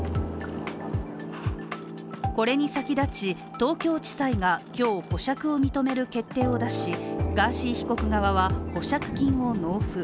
これに先立ち、東京地裁が今日保釈を認める決定を出しガーシー被告側は保釈金を納付。